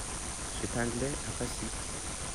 Chez Pinglet, à Passy.